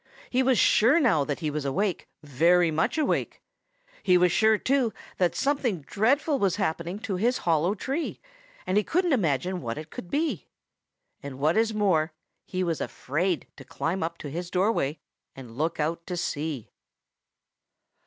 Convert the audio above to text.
He was sure now that he was awake, very much awake. He was sure, too, that something dreadful was happening to his hollow tree, and he couldn't imagine what it could be. And what is more, he was afraid to climb up to his doorway and look out to see.